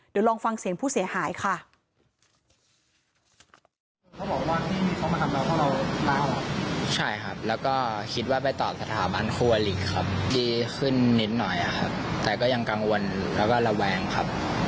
เดี๋ยวลองฟังเสียงผู้เสียหายค่ะ